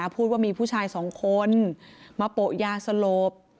พูดว่ามีผู้ชายสองคนมาโปะยาสลบ